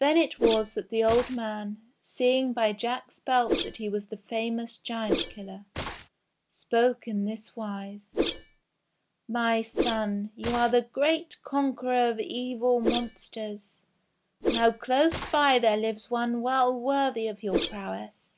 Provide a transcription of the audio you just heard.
Then it was that the old man, seeing by Jack's belt that he was the famous Giant Killer, spoke in this wise : "My son! You are the great conqueror of evil mon sters. Now close by there lives one well worthy of your prowess.